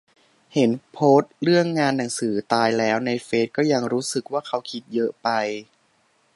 เห็นโพสต์เรื่องงานหนังสือตายแล้วในเฟสก็ยังรู้สึกว่าเค้าคิดเยอะไป